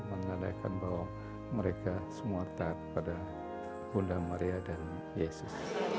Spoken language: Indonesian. menandakan bahwa mereka semua taat pada bunda maria dan yesus